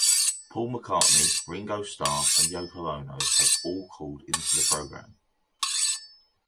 Paul McCartney, Ringo Starr, and Yoko Ono have all called into the program.